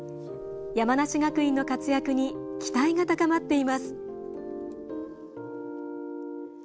山梨学院の活躍に期待が高まっています。